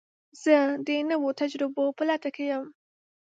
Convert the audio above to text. زه د نوو تجربو په لټه کې یم.